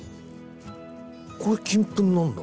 これ金粉なんだ。